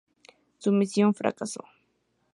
Su misión fracasó.